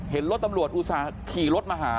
เห็นรถตำรวจอุตส่าห์ขี่รถมาหา